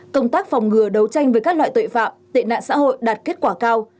công tác phòng ngừa đấu tranh với các loại tội phạm tệ nạn xã hội đạt kết quả cao